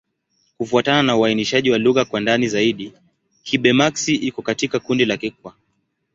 Kufuatana na uainishaji wa lugha kwa ndani zaidi, Kigbe-Maxi iko katika kundi la Kikwa.